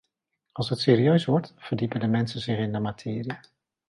Als het serieus wordt, verdiepen de mensen zich in de materie.